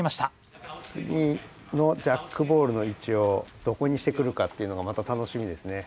次のジャックボールのいちをどこにしてくるかっていうのがまた楽しみですね。